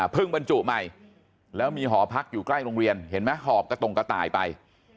บรรจุใหม่แล้วมีหอพักอยู่ใกล้โรงเรียนเห็นไหมหอบกระตงกระต่ายไป